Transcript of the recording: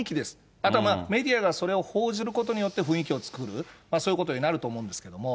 あとはメディアがそれを報じることによって雰囲気を作る、そういうことになると思うんですけれども。